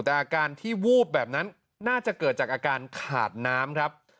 แต่อาการที่วูบแบบนั้นน่าจะเกิดจากอาการขาดน้ำครับ